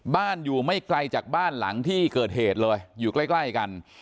อยู่ไม่ไกลจากบ้านหลังที่เกิดเหตุเลยอยู่ใกล้กัน